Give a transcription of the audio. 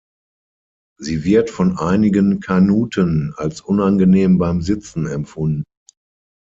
Sie wird von einigen Kanuten als unangenehm beim Sitzen empfunden.